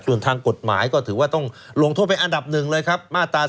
ทุนทางกฎหมายกว่าถึงหลวงทวดเป็นอันดับ๑เลยครับ